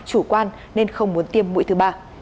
chủ quan nên không muốn tiêm mũi thứ ba